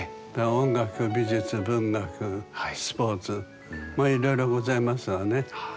音楽美術文学スポーツもいろいろございますわね。